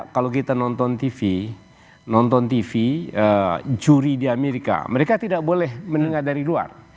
kalau kita nonton tv nonton tv juri di amerika mereka tidak boleh mendengar dari luar